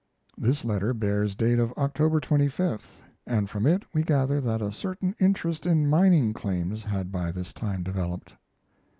This letter bears date of October 25th, and from it we gather that a certain interest in mining claims had by this time developed.